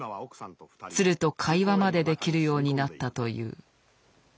鶴と会話までできるようになったという。